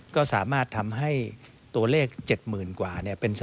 ก็สามารถทำให้ตัวเลข๗๐๐๐กว่า